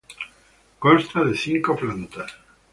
Consta de cinco plantas.